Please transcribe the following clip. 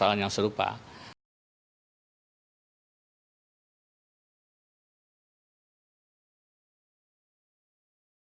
artinya ya tidak lagi kemudian ada berjalan